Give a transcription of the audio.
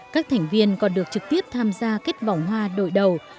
các thành viên còn được trực tiếp tham gia kết vỏng hoa đổi đầu